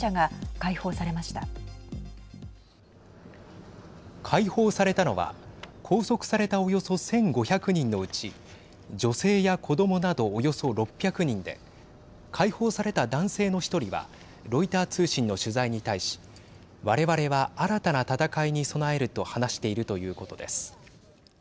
解放されたのは拘束されたおよそ１５００人のうち女性や子どもなどおよそ６００人で解放された男性の１人はロイター通信の取材に対し我々は新たな戦いに備えると話しているということです。